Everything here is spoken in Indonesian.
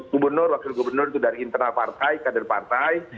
gubernur wakil gubernur itu dari internal partai kader partai